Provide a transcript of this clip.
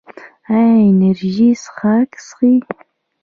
ایا انرژي څښاک څښئ؟